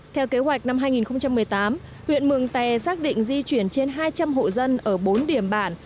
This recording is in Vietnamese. theo kế hoạch năm hai nghìn một mươi tám huyện mường tè xác định di chuyển trên hai trăm linh hộ dân ở bốn điểm bản